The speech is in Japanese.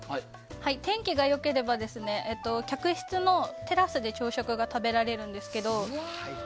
天気が良ければ、客室のテラスで朝食が食べられるんですけど。